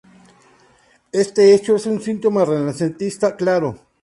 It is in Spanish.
Este hecho es un síntoma renacentista claro.